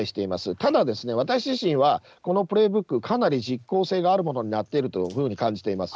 ただ、私自身は、このプレイブック、かなり実効性があるものになっているというふうに感じています。